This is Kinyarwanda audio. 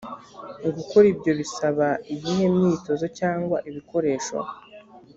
gukora ibyo bisaba iyihe myitozo cyangwa ibikoresho?